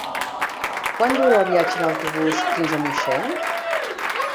Quant dura el viatge en autobús fins a Moixent?